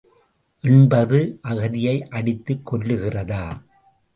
எண்பது அகதியை அடித்துக் கொல்லுகிறதா?